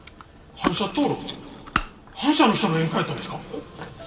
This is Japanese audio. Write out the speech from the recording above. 反社登録って反社の人の宴会やったんですか！？